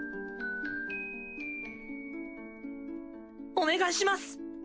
お願いします！